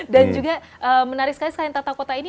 dan juga menarik sekali sekarang tata kota ini